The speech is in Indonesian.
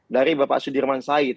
dari bapak sudirman syait